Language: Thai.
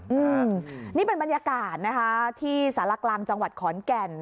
อืมนี่เป็นบรรยากาศนะคะที่สารกลางจังหวัดขอนแก่น